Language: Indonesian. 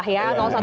ya enggak ya